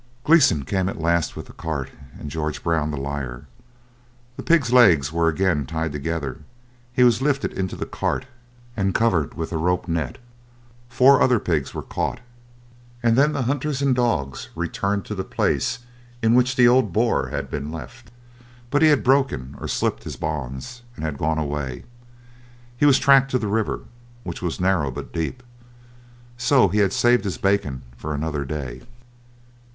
Gleeson came at last with the cart and George Brown the Liar; the pig's legs were again tied together, he was lifted into the cart and covered with the rope net. Four other pigs were caught, and then the hunters and dogs returned to the place in which the old boar had been left. But he had broken or slipped his bonds, and had gone away. He was tracked to the river, which was narrow but deep, so he had saved his bacon for another day.